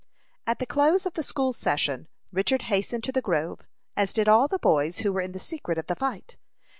At the close of the school session, Richard hastened to the grove, as did all the boys who were in the secret of the fight.